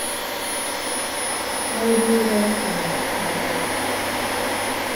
買う理由が安さなら買わない